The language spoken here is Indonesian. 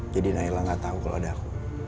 jadi nailah gak tau kalau ada aku